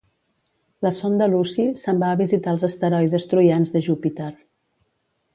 La sonda Lucy se'n va a visitar els asteroides troians de Júpiter